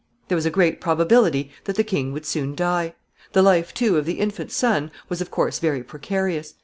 There was a great probability that the king would soon die. The life, too, of the infant son was of course very precarious.